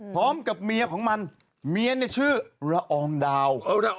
พร้อมกับเมียของมันเมียเนี่ยชื่อละอองดาว